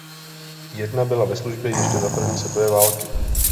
Jedna byla ve službě ještě za první světové války.